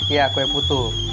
iya kue putu